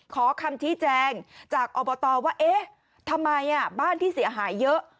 ขอคำชี้แจงจากอบตว่าเอ๊ะทำไมบ้านที่เสียหายเยอะ